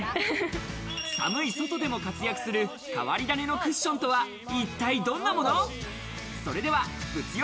寒い外でも活躍する変り種のクッションとは一体どんなもの？